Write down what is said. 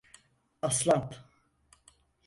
Aslan?